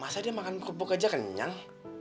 masa dia makan buk buk aja kenyang